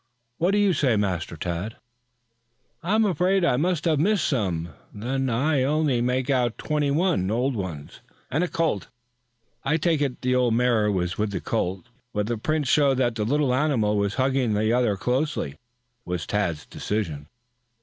"What do you say, Master Tad?" "I am afraid I must have missed some, then. I only make out twenty one old ones and a colt. I take it the old mare was with the colt, for the prints show that the little animal was hugging the other closely," was Tad's decision.